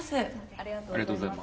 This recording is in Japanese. ありがとうございます。